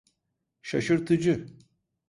Şaşırtıcı.